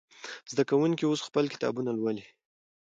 زده کوونکي اوس خپل کتابونه لولي.